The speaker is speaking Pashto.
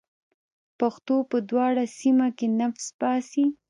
پښتو په دواړو سیمه کې نفس باسي.